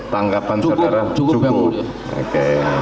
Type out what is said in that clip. tanggapan saudara cukup